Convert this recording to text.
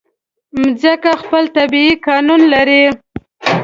مځکه خپل طبیعي قانون لري.